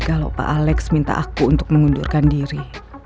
kalau pak alex minta aku untuk mengundurkan diri